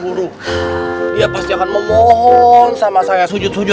bener bener cinta sama saya dia pasti akan mencari saya dia pasti akan mencari saya dia pasti akan mencari